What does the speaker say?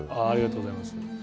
ありがとうございます。